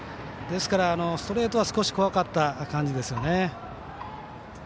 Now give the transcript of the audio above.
ですから、ストレートは少し怖かった感じですね。